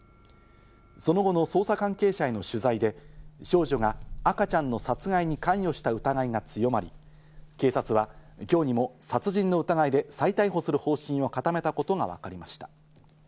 その後の捜査関係者への取材で少女が赤ちゃんの殺害に関与した疑いが強まり、警察は今日にも殺人の疑いで再逮捕する方針を固めたことがわかりました。